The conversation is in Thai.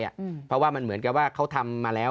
เพราะว่ามันเหมือนกับว่าเขาทำมาแล้ว